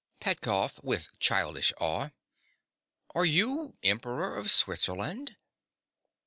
PETKOFF. (with childish awe). Are you Emperor of Switzerland?